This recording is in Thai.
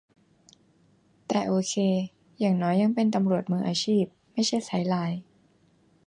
แต่โอเค อย่างน้อยยังเป็นตำรวจมืออาชีพ ไม่ใช่ไซด์ไลน์